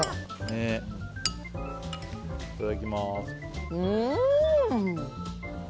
いただきます。